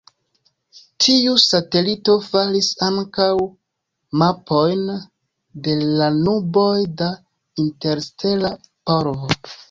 Tiu satelito faris ankaŭ mapojn de la nuboj da interstela polvo.